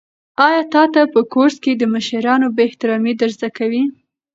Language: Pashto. آیا تا ته په کورس کې د مشرانو بې احترامي در زده کوي؟